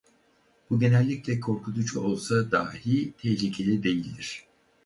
Bu genellikle korkutucu olsa dahi tehlikeli değildir.